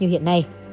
như hiện nay